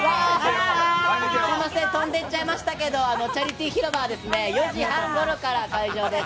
飛んでっちゃいましたけれど、チャリティー広場はですね、４時半ごろから開場です。